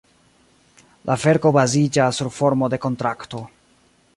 La verko baziĝas sur formo de kontrakto.